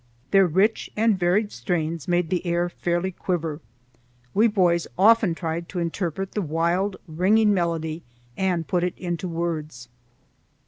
Their rich and varied strains make the air fairly quiver. We boys often tried to interpret the wild ringing melody and put it into words.